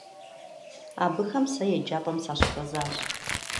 Абыхэм сэ еджапӏэм сащыхуэзащ.